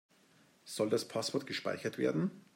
Soll das Passwort gespeichert werden?